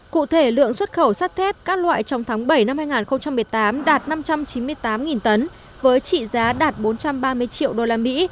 cụ thể lượng xuất khẩu sắt thép các loại trong tháng bảy năm hai nghìn một mươi tám đạt năm trăm chín mươi tám tấn với trị giá đạt bốn trăm ba mươi triệu đô la mỹ